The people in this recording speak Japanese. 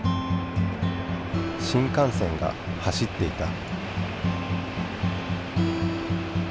新かん線が走っていた。